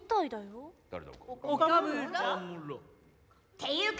ていうか